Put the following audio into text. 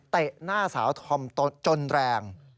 หน้าสาวธอมจนแรง